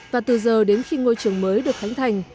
và từ giờ đến khi ngôi trường mới được khánh thành